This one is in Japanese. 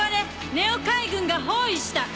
ＮＥＯ海軍が包囲した。